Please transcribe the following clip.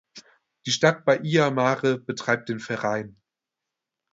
Die Stadt Baia Mare betreibt den Verein.